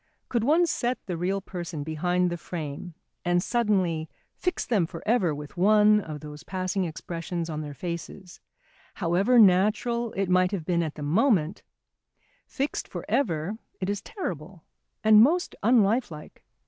Could one set the real person behind the frame and suddenly fix them for ever with one of those passing expressions on their faces, however natural it might have been at the moment, fixed for ever it is terrible, and most unlifelike.